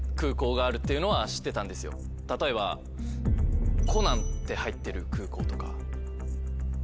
例えば「コナン」って入ってる空港とか。